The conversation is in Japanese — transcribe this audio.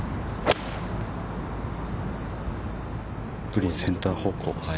◆グリーン、センター方向です。